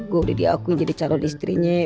gue udah diakui jadi calon istrinya